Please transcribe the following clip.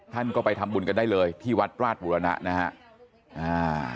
ท่านก็ไปทำบุญกันได้เลยที่วัดราชบุรณะนะฮะอ่า